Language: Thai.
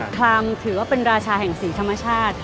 ครามถือว่าเป็นราชาแห่งสีธรรมชาติ